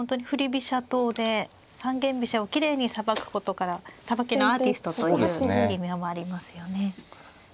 飛車党で三間飛車をきれいにさばくことからさばきのアーティストという異名もありますよね。